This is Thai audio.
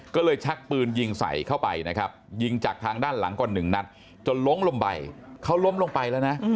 ก็เลยชักปืนยิงใส่เข้าไปนะครับยิงจากทางด้านหลังก่อนหนึ่งนัดจนล้มลงไปเขาล้มลงไปแล้วนะ